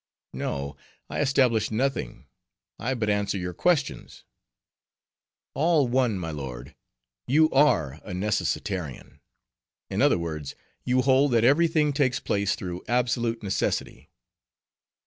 "No. I establish nothing; I but answer your questions." "All one, my lord: you are a Necessitarian; in other words, you hold that every thing takes place through absolute necessity."